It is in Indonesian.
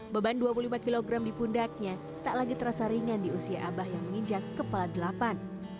beban dua puluh lima kg di pundaknya tak lagi terasa ringan di usia abah yang menginjak kepala delapan